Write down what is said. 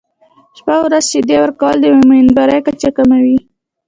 شپه او ورځ شیدې ورکول د امیندوارۍ کچه کموي.